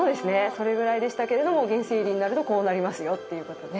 それぐらいでしたけれども原生林になるとこうなりますよということで。